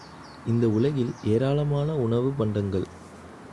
இந்த உலகில் ஏராளமான உணவுப் பண்டங்கள்!